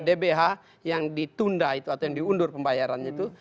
dbh yang ditunda itu atau yang diundur pembayarannya itu